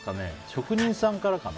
職人さんからかな？